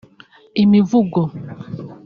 imivugo